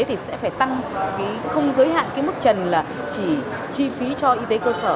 thì sẽ phải tăng không giới hạn cái mức trần là chỉ chi phí cho y tế cơ sở